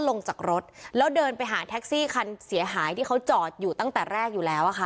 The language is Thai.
ลงจากรถแล้วเดินไปหาแท็กซี่คันเสียหายที่เขาจอดอยู่ตั้งแต่แรกอยู่แล้วอะค่ะ